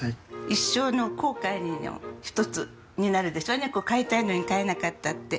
一生の後悔の一つになるでしょネコ飼いたいのに飼えなかったって。